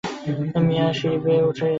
মিয়া সিড়ি বেয়ে উঠে গেলেন।